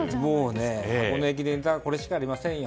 箱根駅伝といえばこれしかありませんよ。